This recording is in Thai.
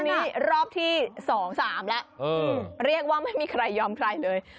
นี่รอบที่๒๓แล้วเรียกว่าไม่มีใครยอมใครเลย